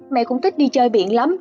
mẹ cũng thích đi chơi biển lắm